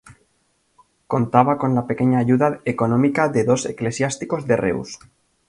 Contaba con la pequeña ayuda económica de dos eclesiásticos de Reus.